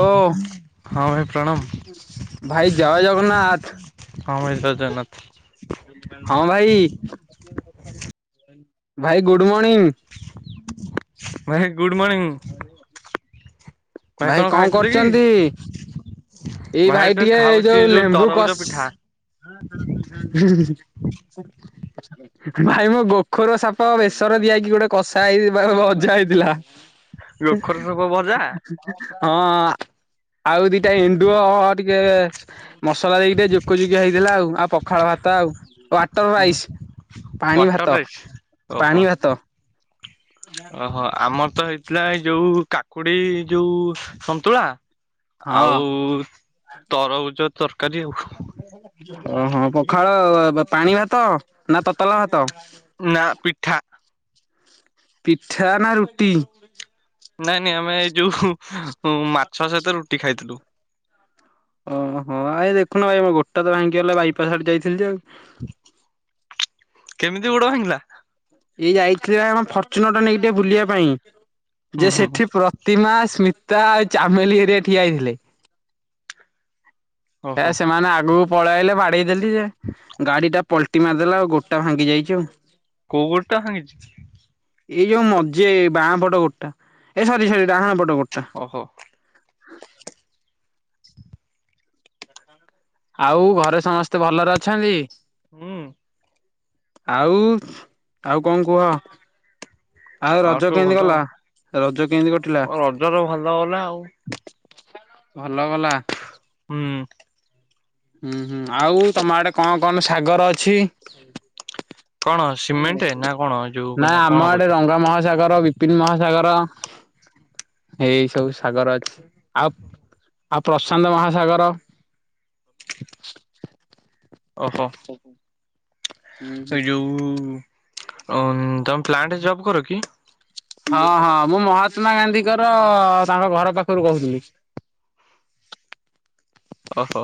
ଓ, ହଁ ଭାଇ ପ୍ରଣାମ ଭାଇ ଜୟ ଜଗନ୍ନାଥ। ହଁ ଭାଇ ଜୟ ଜଗନ୍ନାଥ ହଁ ଭାଇ ଭାଇ ଗୁଡ଼୍ ମଣିଙ୍ଗ୍। ଭାଇ ଗୁଡ୍ ମର୍ଣ୍ଣିଂ ଭାଇ କଣ କରୁଚନ୍ତି? ଏଇ ଭାଇ ଟିକେ ଏ ଯୋଉ ଲେମ୍ବୁ କଷ୍, ହୁଁ-ହୁଁ-ହୁଁ। ଭାଇ ମୋ ଗୋଖର ସାପ ବେସର ଦିଆ ହେଇକି ଗୋଟେ କଷା ହେଇ-ଇ-ଇ ଭ-ଭ ଭଜା ହେଇଥିଲା, ଗୋଖର ସବ ଭଜା ହଁ ଆଉ ଦିଟା ଏଣ୍ଡୁଅ ଟିକେ ମସଲା ଦେଇକି ଟିକେ ଜୋକଜୋକିଆ ହେଇଥିଲା ଆଉ ଆଉ ପ ପଖାଳ ଭାତ ଆଉ, [unintelligible] ୱଟର ରାଇସ୍ ପାଣି ଭାତ, ୱାଟର ପାଣି ଭାତ। ଓହୋଃ ଆମର ତ ହେଇଥିଲା ଏଇ ଯୋଉ କାକୁଡି ଯୋଉ ସନ୍ତୁଳା। ଆଉ-ଉ-ଉ ଓହୋଃ ହଁ ପଖ୍ ପଖାଳ ପାଣି ଭାତ ନା ତତଲା ଭାତ? ନା ପିଠା? ପିଠା ନା ରୁଟି? ନାଇଁ ନାଇଁ ଆମେ ଏଇ ଯୋଉ ମାଛ ସହିତ ରୁଟି ଖାଇଥିଲୁ। ଓହୋଃ, ଆ ଦେଖୁନୁ ଭାଇ ମୋ ଗୋଡଟା ତ ଭାଙ୍ଗିଗଲା ବାଇପାସ୍ ଆଡେ ଯାଇଥିଲି ଯେ ଆଉ କେମିତି ଗୋଡ ଭାଙ୍ଗିଲା? ଏଇ ଯାଇଥିଲି ଆମ ଫର୍ଚୁନର ଟା ନେଇକି ଟିକେ ବୁଲିବା ପାଇଁ। ହୁଁ ଯେ ହୁଁ ସେଠି ପ୍ରତିମା ସ୍ମିତ୍ ତା ଚାମେଲି ହେରିକା ଠିଆ ହେଇଥିଲେ ହେ ଓହୋ ସେମାନେ ଆଗକୁ ପଳେଇ ଆଲେ ବାଡେଇ ଦେଲି ଗାଡି ଟା ପଲଟି ମାରିଦେଲା ଆଉ ଗୋଡଟା ଭାଙ୍ଗି ଯାଇଛି ଆଉ। କୋଉ ଗୋଡ ଟା ଭାଙ୍ଗିଚି? ଏଇ ଯୋଉ ମଝି ଏ ବାଆଁ ପଟ ଗୋଡଟା ଏ ସରି ସରି ଡାହାଣ ପଟ ଗୋଡ ଓହୋ [inaudible] ଆଉ ଘରେ ସମସ୍ତେ ଭଲରେ ଅଛନ୍ତି? ହୁଁ ଆଉ ଆଉ କଣ କୁହ? ଆଉ ରଜ ସବୁ କେମିତି ଭଲ ଆଉ ଗଲା ରଜ କେମିତି କଟିଲା? ରଜର ଭଲ ଗଲା ଆଉ ଭଲ ଗଲା। ହୁଁ ହୁଁ ହୁଁ ଆଉ ତମ ଆଡେ କଣ କଣ ସାଗର ଅଛି? କଣ ସିମେଣ୍ଟ ନା କଣ ଯୋଉ ନା କଣ ଆମ କହୁଛ? ଆଡେ ରଙ୍ଗ ମହଲ ସାଗର ବିପିନ ମହାସାଗର ଏଇ ସବୁ ସାଗର ଅଛି ଆଉ ଆଉ ପ୍ରଶାନ୍ତ ମହାସାଗର। ଓହୋ ହୁଁ ହୁଁ। ଏ ଯୋଉଉ ଅଂ ତମେ ପ୍ଲାଣ୍ଟରେ ଜବ କର କି? ହଁ ହଁ ମୁଁ ମହାତ୍ମା ଗାନ୍ଧୀଙ୍କର ତାଙ୍କ ଘର ପାଖରୁ କହୁଥିଲି। ଓହୋ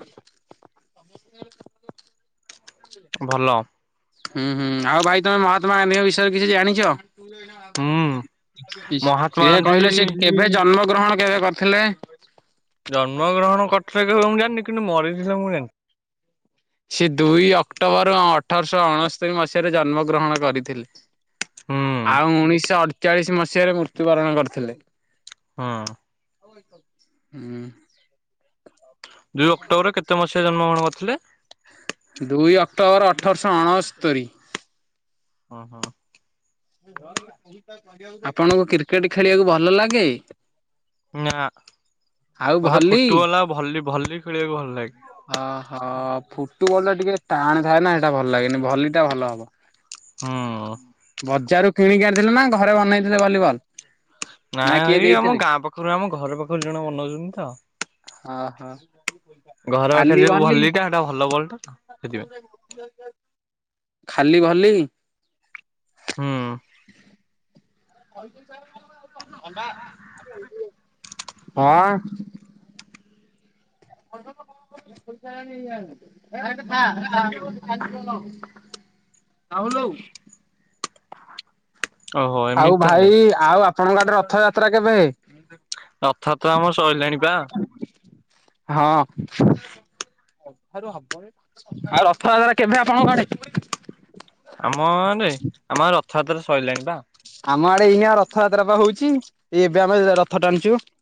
[inaudible] ଭଲ। ହୁଁ ହୁଁ ଆଉ ଭାଇ ତମେ ମହାତ୍ମା ଗାନ୍ଧୀଙ୍କ ବିଷୟରେ କିଛି ଜାଣିଚ? ହୁଁ ମହାତ୍ମା ସେ ଗାନ୍ଧୀ କହିଲେ ସେ କେବେ ଜନ୍ମ ଗ୍ରହଣ କେବେ କରିଥିଲେ ଜନ୍ମ ଗ୍ରହଣ କରିଥିଲେ କେବେ ମୁଁ ଜାଣିନି କିନ୍ତୁ ମରିଥିଲେ ମୁଁ ଜାଣିଚି। ସେ ଦୁଇ ଅକ୍ଟୋବର ଅଠରଶହ ଅଣସ୍ତରିୀ ମସିହାରେ ଜନ୍ମ ଗ୍ରହଣ କରିଥିଲେ। ହୁଁ। ଆଉ ଉଣେଇଶଶହ ଅଠଚାଳିଶ ମସିହାରେ ମୃତ୍ୟୁବରଣ କରିଥିଲେ। ହଁ ହୁଁ ଦୁଇ ଅକ୍ଟୋବରରେ କେତେ ମସିହା ରେ ଜନ୍ମଗ୍ରହଣ କରିଥିଲେ? ଦୁଇ ଅକ୍ଟୋବର ଅଠରଶହ ଅଣସ୍ତରି। ଓ ହୋ ଆପଣଙ୍କୁ କ୍ରିକେଟ ଖେଳିବାକୁ ଭଲ ଲାଗେ? ନା ଆଉ ମତେ ଭଲି ଫୁଟବଲ ଆଉ ଭଲି ଭଲି ଖେଳିବାକୁ ଭଲ ଲାଗେ। ଓହୋ ଫୁଟୁବଲ ଟା ଟିକେ ଟାଣ ଥାଏ ନା ସେଇଟା ଭଲ ଲାଗେନି ଭଲିଟା ଭଲ । ହୁଁ ବଜାରରୁ କିଣିକି ଆଣିଥିଲେ ନା ଘରେ ବନେଇଥିଲେ ଭଲିବଲ। ନା ନାଇ କିଏ ଏଇ ଆମ ଦେଇଥିଲେ ଗାଁ ପାଖରୁ ଆମ ଘର ପାଖରୁ ଜଣେ ବନାଉଛନ୍ତି ତ ହଁ ହଁ ଘର ପାଖରେ ଖାଲି ଯୋଉ ଭଲି ଭଲିଟା ସେଟା ଭଲ ବଲଟା ତ ସେଥିପାଇଁ ଖାଲି ଭଲି ହୁଁ ଅଣ୍ଡା [unintelligible] ହଁ [unintelligible] [unintelligible] କହୁଲଉ [unintelligible] ଓହୋ ଆଉ ଏମିତି ତାହେଲେ। ଭାଇ ଆଉ ଆପଣଙ୍କ ଆଡେ ରଥଯାତ୍ରା କେବେ? ରଥ ଯାତରା ଆମର ସଇଲାଣି ପା। ହଁ । ଆଉ ରଥଯାତ୍ରା କେବେ ଆପଣଙ୍କ ଆଡେ? ଆମରେ ଆମଆଡେ ରଥଯାତ୍ରା ସଇଲାଣି ପା। ଆମ ଆଡେ ଏଇନା ରଥଯାତ୍ରା ବା ହଉଛି ଏଇ ଏବେ ଆମେ ରଥ ଟାଣୁଛୁ ।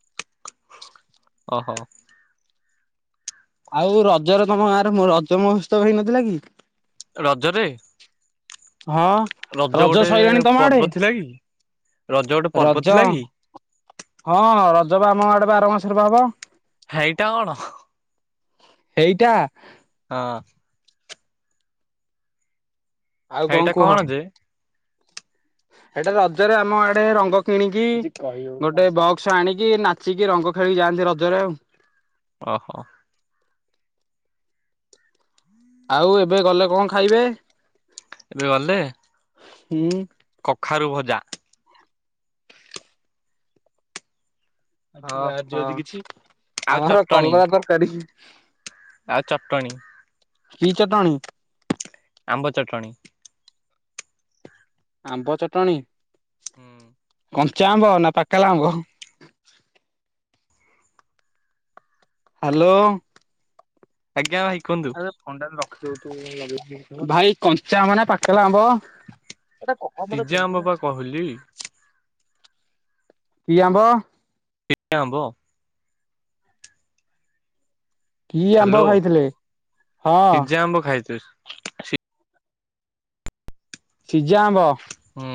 ଓହୋ । ଆଉ ରଜର ତମ ଗାଁର ରଜ ମହୋତ୍ସବ ହେଇନଥିଲା କି? ରଜରେ । ହଁ ରଜ ଗୋଟେ ସଇଲାଣି ତମ ଆଡେ ପର୍ବ ଥିଲା କି? ରଜ ଗୋଟେ ପର୍ବ ଥିଲା ରଜ କି? ହଁ ହଁ ରଜ ବା ଆମ ଆଡେ ବା ଆର ମାସରେ ବା ହବ । ହେଇଟା କଣ । ହେ଼ଇଟା । ହଁ । ଆଉ କଣ ହେଇଟା କୁହ । ଯେ ସେଟା ରଜରେ ଆମ ଆଡେ ରଙ୍ଗ କିଣିକି ଗୋଟେ ବକ୍ସ ଆଣିକି ନାଚିକି ରଙ୍ଗ। ଖେଳିକି ଯାଆନ୍ତି ରଜରେ ଆଉ। ଓହୋ । ଆଉ ଏବେ ଗଲେ କଣ ଖାଇବେ । ଏବେ ଗଲେ । ହୁଁ । କଖାରୁ ଭଜା । ହଁ ମା [unintelligible] କିଛି ଆଉ ଆମର ଚଟଣି କଲରା ତରକାରୀ । ଆଉ ଚଟଣି । କି ଚଟଣି? ଆମ୍ବ ଚଟଣି । ଆମ୍ବ ଚଟଣି । ହୁଁ । କଞ୍ଚା ଆମ୍ବ ନା ପାକେଲା ଆମ୍ବ । ହାଲୋ । ଆଜ୍ଞା ଭାଇ । ଭାଇ କଞ୍ଚା ଆମ୍ୱ ନା ପାକେଲା ଆମ୍ବ । କି ସିଜା ଆମ୍ବ ପା କହିଲି ଆମ୍ବ? ସିଝା ଆମ୍ୱ । କି ଆମ୍ବ ହାଲୋ ଖାଇଥିଲେ ହଁ ସିଜା ଆମ୍ବ ଖାଇଥିଲି । ସିଝା ଆମ୍ବ ହୁଁ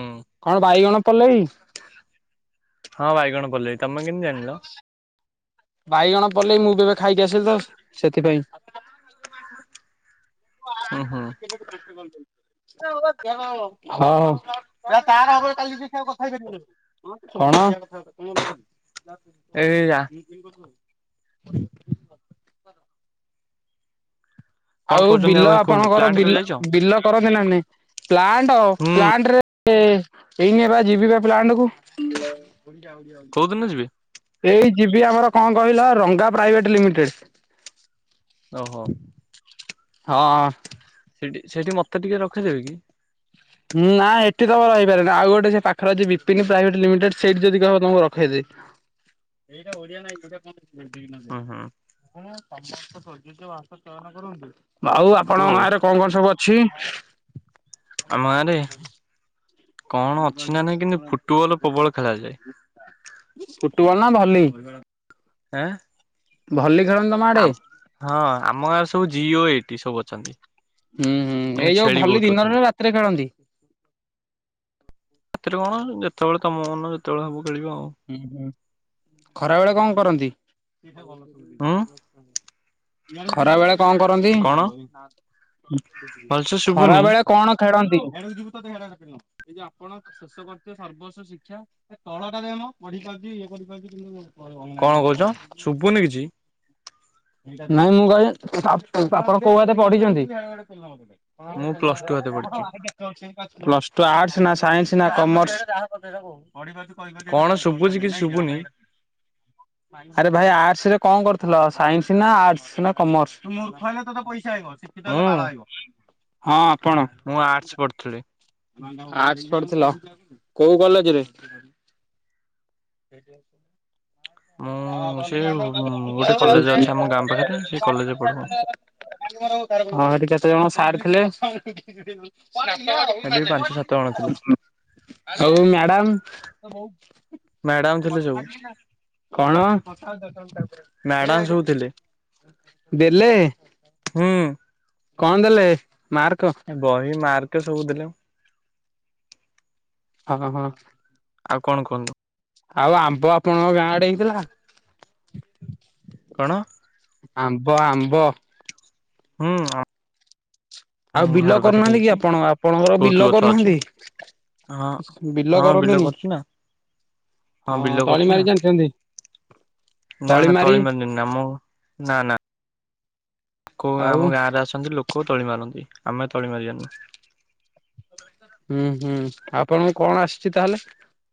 କଣ ବାଇଗଣ ପଲେଇ। ହଁ ବାଇଗଣ ପିଲେଇ ତମେ କେମିତି ଜାଣିଲ? ବାଇଗଣ ପଲେଇ ମୁଁ ବି ଏବେ ଖାଇକି ଆସିଲି ତ ସେଥିପାଇଁ । ହୁଁ ହୁଁ ହଁ । ଏଇ ଆ କଣ? [unintelligible] କଣ ଆଉ କହୁଛନ୍ତି ବିଲ ଭାଇ କୁହନ୍ତୁ ଆପଣଙ୍କର ପ୍ଲାଣ୍ଟ କେବେ ବିଲ ଯାଇଛ? ବିଲ କରନ୍ତି ନା ନାଇଁ ପ୍ଲାଣ୍ଟ ହୁଁ ପ୍ଲାଣ୍ଟ ରେ । ରେ ଏଇନେ ବା ଜିବିିବା ପ୍ଲାଣ୍ଟ କୁ । କୋଉ ଦିନ ଯିବେ? ଏଇ ଯିବି। ଆମର କଣ କହିଲ ରଙ୍ଗା ପ୍ରାଇଭେଟ ଲିମିଟେଡ । ଓହୋ । ହଁ । ସେଠି ସେଇଠି ମତେ ଟିକେ ରଖେଇଦେବେ କି? ନାଁ ଏଠି ତମେ ରହିପାରିଅନି ଆଉ ଗୋଟେ ସେ ପାଖରେ ଅଛି ସେ ବିପିନି ପ୍ରାଇଭେଟ ଲିମିଟେଡ୍ ସେଇଠି ଯଦି କହିବ ତମକୁ ରଖେଇଦେବି । ଏଇଟା ଓଡିଆ ନାଇଁ, ଗୋଟେ ହୁଁ ହୁଁ କଣ? ସମସ୍ତ ସଜ ବାଷ [unintelligible] ଚୟନ କରନ୍ତୁ ଆଉ ହଉ ଆପଣଙ୍କ ଆଉ ଗାଁ ରେ କଣ କଣ ସବୁ ଅଛି? ଆମ ଗାଁରେ--? କଣ ଅଛି ନା ନାଇଁ କିନ୍ତୁ ଫୁଟବଲ ପ୍ରବଳ ଖେଳାଯାଏ ଫୁଟବଲ ନା ଭଲି । ଆଁ ଭଲି। ଆଡେ ଆ ହଁ ଆମ ଗାଁରେ ସବୁ ଜିଓ ଏଇଠି ସବୁ ଅଛନ୍ତି । ହୁଁ ହୁଁ ଏଇ ଯୋଉ ଭଲି ଅଛନ୍ତି। ଦିନରେ ରାତିରେ ଖେଳନ୍ତି । ସେଥିରେ କଣ, ଯେତେବେଳେ ତମ ମନ ଯେତେବେଳେ ହବୁ ଖେଳିବ ଆଉ ହୁଁ ହୁଁ ଖରା ବେଳେ କଣ କରନ୍ତି? ହୁଁ ଖରା ବେଳେ କଣ କରନ୍ତି? କଣ ଭଲସେ ଖରା ଶୁଭୁନି? ବେଳେ କଣ? ଖେୁିବ [unintelligible] ତତେ ଖନ ଏ ଯେ ଆପଣ ଶେଷ କରଥିବେ ସର୍ବସ୍ୱ ଶିକ୍ଷା ତଳଟା ଦେମ ବଢିାରୁିବ ଇଏ କରିପାରୁି କିନ୍ତୁ କ କଣ କହୁଛ ଶୁଭୁନି କିଛି [unintelligible] ନାଇଁ ମୁଗାଇ [unintelligible] ବାପା କୋଉ ଆତେ ପଢିଛନ୍ତି । ମୁଁ ପ୍ଲସ ଟୁ ହାତେ ପଢିଛି। ହଁ [unintelligible] ତୁ ଆର୍ଟସ ନା ସାଇନ୍ସ ନା କମର୍ସ । କଣ ଆମ ଶୁଭୁଛି କିଛି ଶୁଭୁନି [unintelligible] ଆଟ ରେ କଣ କରିଥିଲ ସାଇନ୍ସ ନା ଆଟସ ନା କମର୍ସ ମୁଁ ବାଳ ହଁ ଆପଣ ମୁଁ ଆର୍ଟସ ପଢୁଥିଲି। [unintelligible] ଆଟସ ପଢୁଥିଲ, କୋଉ କଲେଜରେ? ସେଟ [inaudible] କ ମୁଁ ସେ ଗୋଟେ କଲେଜ ଅଛି ଆମ ଗାଁ ପାଖରେ ସେଇ କଲେଜରେ ପଢୁ ଆଉ। [unintelligible] ହଁ ଏଠି କେତେ ଜଣ ସାର୍ ଥିଲେ [unintelligible] ସେଠି ବି ପାଞ୍ଚ ସାତ ଜଣ ଥିଲେ [unintelligible] ହଉ ମ୍ୟାଡ଼ାମ ମ୍ୟାଡାମ ଥିଲେ ସବୁ କଣ, ମ୍ୟାଡାମ ସବୁ ଥିଲେ ଦେଲେ । ହୁଁ କଣ ଦେଲେ? ମାର୍କ ବହି ମାର୍କେ ସବୁଦେଲେ । ହଁ ହଁ ଆଉ କଣ କୁହନ୍ତୁ? ଆଉ ଆମ୍ବ ଆପଣଙ୍କ ଗାଁ ଆଡେ ହେଇଥିଲା କଣ । ଆମ୍ବ, ଆମ୍ବ, ହୁଁ । ଆଉ ବିଲ କରୁନାହାନ୍ତି କି ଆପଣ, ଆପଣଙ୍କର ବହୁତ ବିଲ ଗଛ ଅଛି କରୁନାହାନ୍ତି? ହଁ ବିଲ ହଁ କରନ୍ତିନି? କରୁଛୁ ନା ବିଲ ହଁ ତଳି କରୁଛୁ ନା ମାରି ଜାଣି ଚନ୍ତି ନା ନା ତଳି ମାରି ନାହାନ୍ତି, ଆମ ନା ନା କୋଉ ଆଉ ଆମ ଗାଁ ରେ ଆସନ୍ତି ଲୋକ ତଳି ମାରନ୍ତି ଆମେ ତଳି ମାରିନୁ ହୁଁ, ହୁଁ, ଆପଣଙ୍କୁ କଣ ଆସିଛି ତାହେଲେ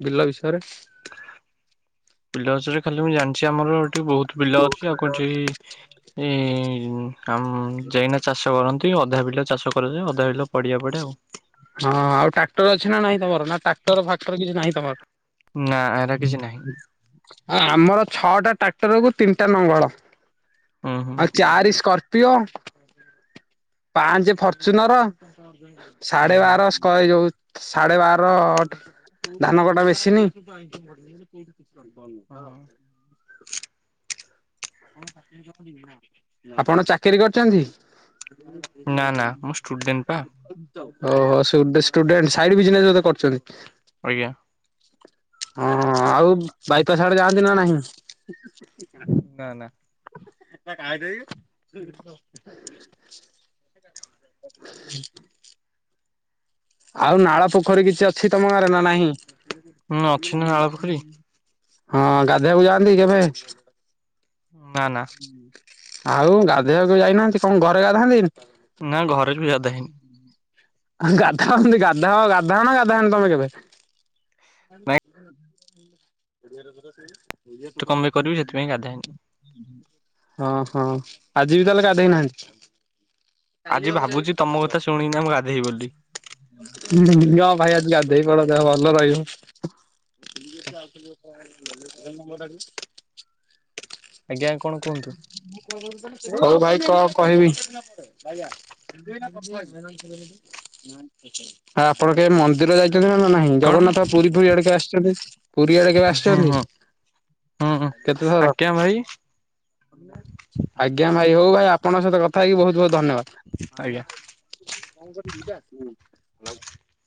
ବିଲ ବିଷୟରେ? ପିଲାଛରେ [unintelligible] ଖାଲି ମୁଁ ଜାଣିଛି ଆମର ଏଠି ବହୁତ ପିଲା ଅଛି ଆଉ କୁଆଡେ ଜିବେ ଏ ଏ ଆଉ ଯାଇକିନା ଚାଷ କରନ୍ତି, ଅଧା ବିଲ ଚାଷ କରାଯାଏ, ଅଧା ବିଲ ପଡିଆ ପଡେ ଆଉ। ହଁ ଆଉ ଟ୍ରାକ୍ଟର ଅଛି ନା ନାଇଁ ତମର ନା ଟ୍ରାକ୍ଟର ଫାକ୍ଟର କିଛି ନାହିଁ ତମର ନା ଏରା କିଛି ନାହିଁ ହଁ ଆମର ଛଅଟା ଟ୍ରାକ୍ଟରକୁୁ, ତିନିଟା ନଙ୍ଗଳ ହୁଁ ହୁଁ ଆଉ ଚାରି ସ୍କର୍ପିଓ ପାଞ୍ଚ ଫର୍ଚୁନର, ହୁଁ ସାଢେ ହୁଁ ବାର ସ୍କ ଯୋଉ ସାଢେ ବାର-ଅ-ଅ ଧାନ କଟା ମେସିନି। [inaudible] ହୁଁ ହୁଁ ଆପଣ ଚାକିରି କରିଛନ୍ତି? ନା ନା ମୁଁ ଷ୍ଟୁଡେଣ୍ଟ ପା ଓହୋ! ସୁଡୁସ ସ୍ଟୁଡେଣ୍ଟ ସାଇଟ୍ ବିଜିନେସ୍ ବଧେ କରୁଛନ୍ତି? ଆଜ୍ଞା। ହଁ ଆଉ ବାଇପାସ୍ ଆଡେ ଯାଆନ୍ତି ନା ନାହିଁ? ନା ନା [inaudible] ହ ଆଉ ନାଳ ପୋଖରୀ କିଛି ଅଛି ତମ ଗାଁରେ ନା ନାହିଁ? ହୁଁ ଅଛି ନା ନାଳ ପୋଖରୀ। ହଁ, ଗାଧେଇବାକୁ ଯାଆନ୍ତି କେଭେ? ନା ନା ଆଉ ଗାଧେଇବାକୁ ଯାଇନାହାଁନ୍ତି। କଣ ଘରେ ଗାଧାନ୍ତି? ନା ଘରେ ବି ଗାଧାଇନି। ଗାଧାଅନ୍ତି, ଗାଧାଅ ଗାଧାଅ ନା ଗାଧାଅନି ତମେ କେବେ? [inaudible] ଏଇ ଟୁ ନାଇଁ କଣ ପାଇଁ କରିବି ସେଥିପାଇଁ ଗାଧାଏନି [inaudible] ହଁ, ହଁ ଆଜି ବି ତାହେଲେ ଗାଧେଇନାହାଁନ୍ତି। ଆଜି ଭାବୁଛି! ତମ କଥା ଶୁଣିକିନା ମୁଁ ଗା ହୁ ହୁ ହୁ ହଁ, ଭାଇ ଆଜି ଗାଧେଇ ପଡ ଦେହ ଭଲ ରହିବ। [unintelligible] ଏ ନମ୍ବର ଟାକୁ। ଆଜ୍ଞା କଣ କୁହନ୍ତୁ? ହଉ ଭାଇ କଣ କହିବି? ଆପଣ କେ ମନ୍ଦିର ଯାଇ ଚନୀ ନା ନାହିଁ। କଣ ଜଗନ୍ନାଥ ପୁରୀ ଫୁରୀ ଆଡେ କେବେ ଆସିଛନ୍ତି? ପୁରୀ ଆଡେ କେବେ ଆସିଛନ୍ତି? ହଁ ଅ କେତେଥର? ଆଜ୍ଞା ଭାଇ। ଆଜ୍ଞା ମା । ଭାଇ ହଉ ଭାଇ ଆପଣଙ୍କ ସହିତ କଥା ହେଇକି ବହୁତ ବହୁତ ଆଜ୍ଞା। ଧନ୍ୟବାଦ। [inaudible]